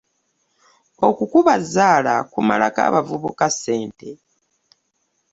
Okukuba zzaala kumalako abavubuka ssente.